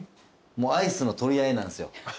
アイスの取り合いなんですよ。